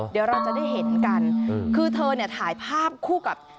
เดี๋ยวเราจะได้เห็นกันคือเธอเนี่ยถ่ายภาพคู่กับ